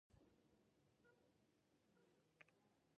ایا زه باید ورزش وکړم؟